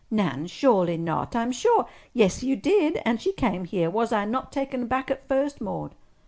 "Nan, surely not! I'm sure—" "Yes, you did. And she came here. Was I not taken aback at first, Maude!"